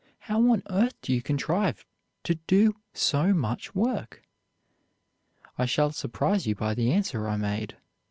How on earth do you contrive to do so much work?' I shall surprise you by the answer I made.